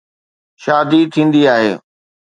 شادي ٿيندي آهي.